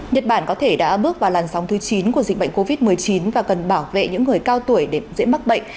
nhật bản có thể đã bước vào làn sóng thứ chín của dịch bệnh covid một mươi chín và cần bảo vệ những người cao tuổi để dễ mắc bệnh